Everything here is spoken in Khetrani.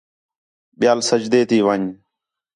ٻِیال سجدے تی ون٘ڄ